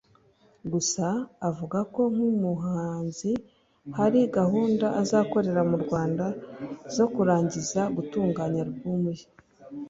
Gusa avuga ko nk’umuhanzi hari gahunda azakorera mu Rwanda zo kurangiza gutunganya Album ye